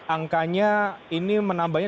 angkanya ini menambahnya